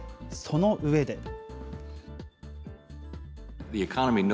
その上で。